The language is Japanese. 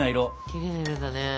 きれいな色だね！